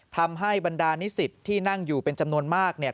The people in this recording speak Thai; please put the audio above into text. ทำให้บรรดานิสิตที่นั่งอยู่เป็นจำนวนมากเนี่ย